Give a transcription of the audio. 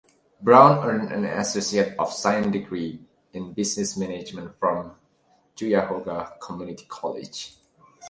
Brown earned an Associate of Science degree in business management from Cuyahoga Community College.